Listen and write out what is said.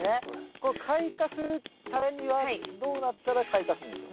こう開花するためにはどうなったら開花するんでしょう？